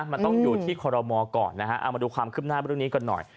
มันต้องอยู่ที่คอรมอก่อนนะฮะเอามาดูความคืบหน้าเรื่องนี้ก่อนหน่อย